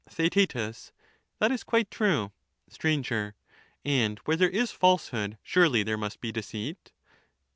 Theaetetus. Theaet. That is quite true. Sir, And where there is falsehood surely there must be deceit.